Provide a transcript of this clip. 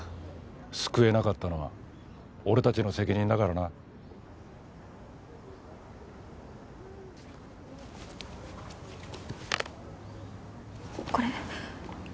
救えなかったのは俺たちの責任だからな。これ。